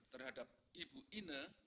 terhadap ibu ina